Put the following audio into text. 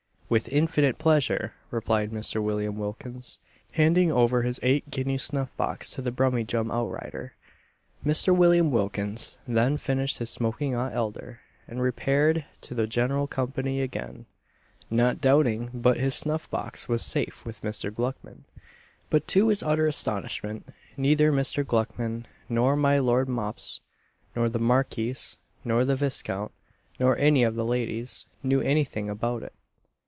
"With infinite pleasure," replied Mr. William Wilkins, handing over his eight guinea snuff box to the Brummyjum out rider. Mr. William Wilkins then finished his smoking hot elder, and repaired to the general company again not doubting but his snuff box was safe with Mr. Gluckman; but, to his utter astonishment, neither Mr. Gluckman, nor my Lord Mops, nor the Marquis, nor the Viscount, nor any of the ladies, knew any thing about it.